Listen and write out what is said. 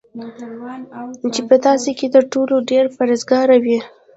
چی په تاسی کی تر ټولو ډیر پرهیزګاره وی